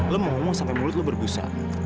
kamu mau ngomong sampai mulut kamu berbusa